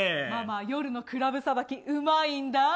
夜のクラブさばきうまいんだ。